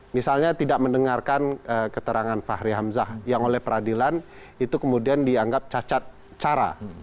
misalnya tidak mendengarkan keterangan fahri hamzah yang oleh peradilan itu kemudian dianggap cacat cara